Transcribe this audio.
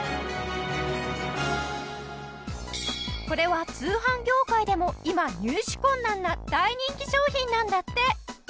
これは通販業界でも今入手困難な大人気商品なんだって！